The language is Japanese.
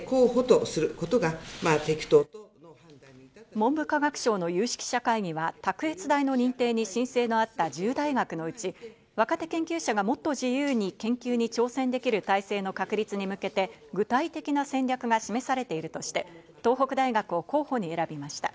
文部科学省の有識者会議は、卓越大の認定に申請のあった１０大学のうち、若手研究者がもっと自由に研究に挑戦できる体制の確立に向けて具体的な戦略が示されているとして、東北大学を候補に選びました。